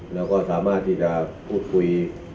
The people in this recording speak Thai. แล้วก็สามารถที่จะพูดคุย